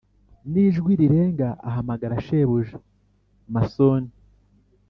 n'ijwi rirenga ahamagara shebuja mason